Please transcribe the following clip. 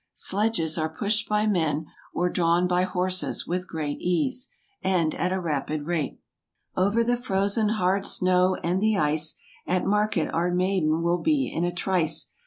Sledges are pushed by men, or drawn by horses, with great ease, and at a rapid rate* Over the frozen hard snow, and the ice, At market our maiden will be in a trice.